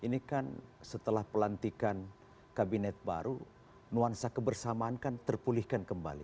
ini kan setelah pelantikan kabinet baru nuansa kebersamaan kan terpulihkan kembali